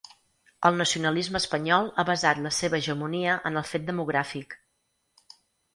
El nacionalisme espanyol ha basat la seva hegemonia en el fet demogràfic.